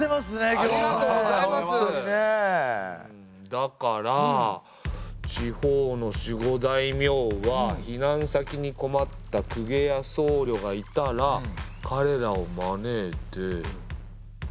だから地方の守護大名は避難先に困った公家や僧侶がいたらかれらを招いて。